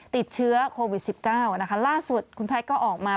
ติดเชื้อโควิด๑๙นะคะล่าสุดคุณแพทย์ก็ออกมา